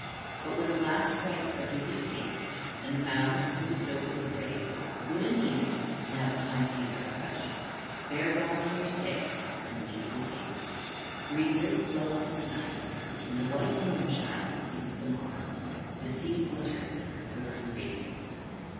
But when the last rites are duly paid, and the mound smoothed over the grave, good Aeneas, now the high seas are hushed, bears on under sail and leaves his haven. Breezes blow into the night, and the white moonshine speeds them on; the sea glitters in her quivering radiance.